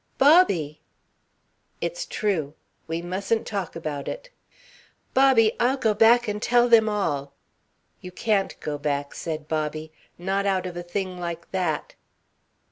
"Bobby!" "It's true. We mustn't talk about it." "Bobby! I'll go back and tell them all." "You can't go back," said Bobby. "Not out of a thing like that."